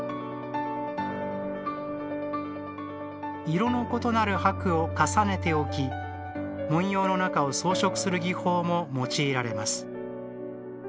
色の異なる箔を重ねて置き文様の中を装飾する技法も用いられます。